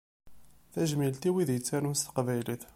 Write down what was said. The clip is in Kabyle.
Tajmilt i wid yettarun s teqbaylit.